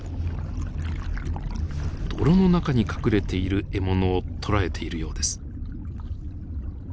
泥の中に隠れている獲物を捕らえているようです。